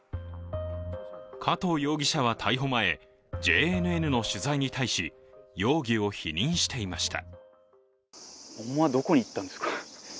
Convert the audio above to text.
加藤容疑者は逮捕前、ＪＮＮの取材に対し容疑を否認していました。